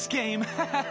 ハハハハ。